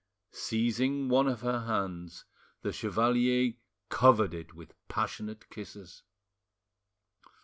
Seizing one of her hands, the chevalier covered it with passionate kisses.